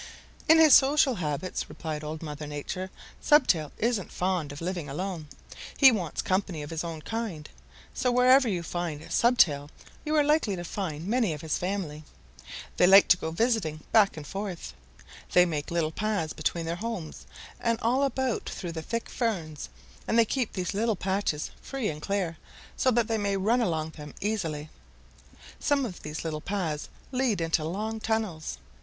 "In his social habits," replied Old Mother Nature. "Stubtail isn't fond of living alone. He wants company of his own kind. So wherever you find Stubtail you are likely to find many of his family. They like to go visiting back and forth. They make little paths between their homes and all about through the thick ferns, and they keep these little paths free and clear, so that they may run along them easily. Some of these little paths lead into long tunnels.